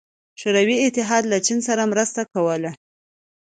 شوروي اتحاد له چین سره مرسته کوله.